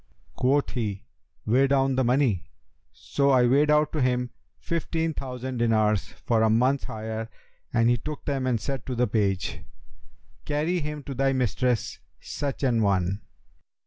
Quoth he, 'Weigh down the money.' So I weighed out to him fifteen thousand dinars for a month's hire and he took them and said to the page, 'Carry him to thy mistress such an one!'